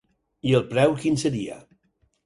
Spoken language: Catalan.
I el preu quin seria?